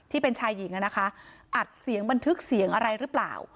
ที่เป็นชายหญิงนะคะอัดเสียงบันทึกเสียงอะไรหรือเปล่า